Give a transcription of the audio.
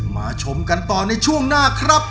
ชมกันต่อในช่วงหน้าครับ